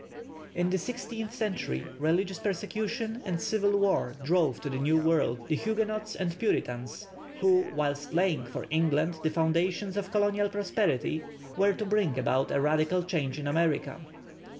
In the sixteenth century religious persecution and civil war drove to the New World the Huguenots and Puritans, who, whilst laying for England the foundations of colonial prosperity, were to bring about a radical change in America.